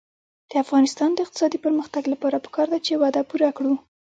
د افغانستان د اقتصادي پرمختګ لپاره پکار ده چې وعده پوره کړو.